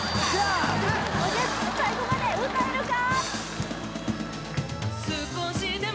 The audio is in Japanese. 最後まで歌えるか？